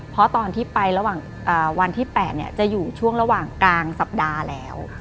เพราะตอนที่ไประหว่างวันที่๘จะอยู่ช่วงระหว่างกลางสัปดาห์แล้ว